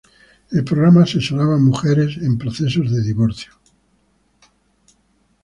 El programa asesoraba a mujeres en procesos de divorcio.